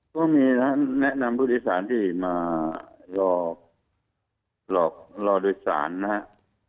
ก็มีแนะนำผู้โดยสารที่มาหลอกหลอกรอโดยสารนะครับ